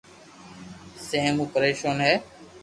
سي مون تو پريسون ھي